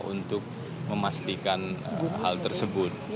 untuk memastikan hal tersebut